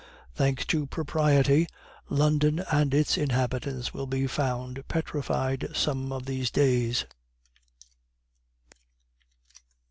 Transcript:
Thanks to propriety, London and its inhabitants will be found petrified some of these days."